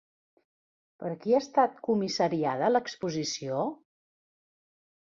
Per qui ha estat comissariada l'exposició?